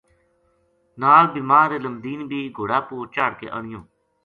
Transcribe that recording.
نال بیمار علم دین بے گھوڑا پو چاہڑھ کے آنیو